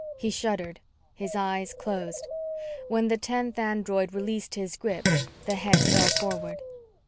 He shuddered. His eyes closed. When the tenth android released his grip, the head fell forward.